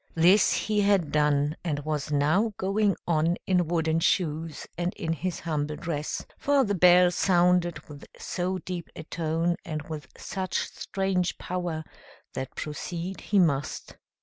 This he had done, and was now going on in wooden shoes and in his humble dress, for the bell sounded with so deep a tone, and with such strange power, that proceed he must.